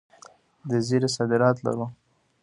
د زیرې صادرات لرو؟